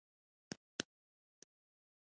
هغه به د هنر تاریخ لوستونکی شوی وای